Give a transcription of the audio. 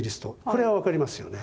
これは分かりますよね。